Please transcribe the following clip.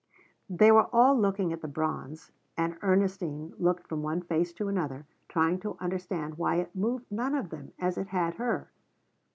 _" They were all looking at the bronze and Ernestine looked from one face to another, trying to understand why it moved none of them as it had her.